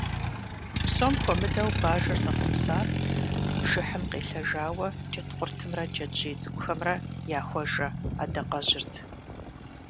Псом хуэмыдэу бажэр зэхъуэпсар бжыхьым къелъэжауэ джэдкъуртымрэ джэджьей цӀыкӀухэмрэ яхуэжэ адакъэжьырт.